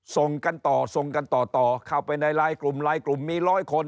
ส่งกันต่อส่งกันต่อเข้าไปในไลน์กลุ่มไลน์กลุ่มมีร้อยคน